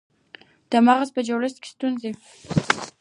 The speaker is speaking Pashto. د مغز په جوړښت کې ستونزه